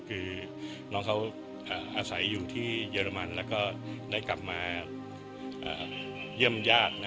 คือน้องเขาอาศัยอยู่ที่เยอรมันแล้วก็ได้กลับมาเยี่ยมญาติ